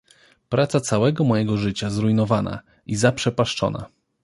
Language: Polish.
"Praca całego mojego życia zrujnowana i zaprzepaszczona!"